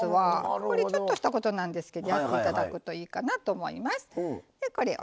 これちょっとしたことなんですけどやっていただいたらいいと思います。